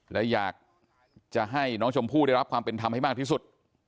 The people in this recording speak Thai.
และอยากจะให้น้องชมพู่ได้รับความเป็นธรรมให้มากที่สุด